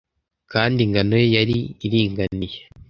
kandi ingano ye yari iringaniye